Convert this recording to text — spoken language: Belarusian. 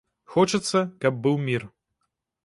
Хочацца, каб быў мір.